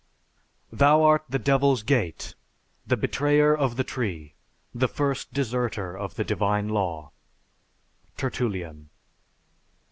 Thou art the devil's gate, the betrayer of the tree, the first deserter of the Divine Law. TERTULLIAN.